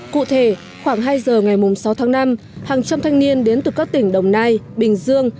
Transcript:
cụ thể khoảng hai giờ ngày sáu tháng năm hàng trăm thanh niên đến từ các tỉnh đồng nai bình dương